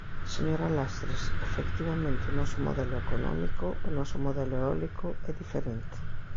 Señora Lastres, efectivamente o noso modelo económico, o noso modelo eólico é diferente.